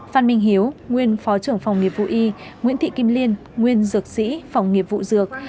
phan minh hiếu nguyên phó trưởng phòng nghiệp vụ y nguyễn thị kim liên nguyên dược sĩ phòng nghiệp vụ dược